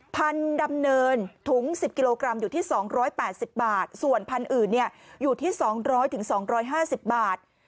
พันธุ์ดำเนินถุง๑๐กิโลกรัมอยู่ที่๒๘๐บาทส่วนพันธุ์อื่นอยู่ที่๒๐๐๒๕๐บาท